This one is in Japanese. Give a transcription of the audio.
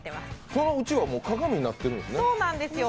そのうちわ、鏡になってるんですね。